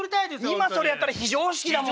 今それやったら非常識だもんね。